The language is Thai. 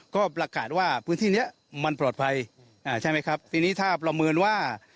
ก็ประกาศว่าพื้นที่เนี้ยมันปลอดภัยอ่าใช่ไหมครับทีนี้ถ้าประเมินว่า